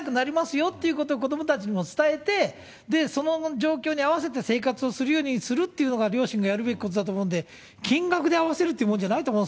よってことを子どもたちにも伝えて、その状況に合わせて生活をするようにするっていうのが、両親がやるべきことだと思うんで、金額で合わせるってものじゃないと思う